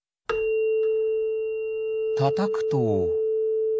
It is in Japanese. たたくと。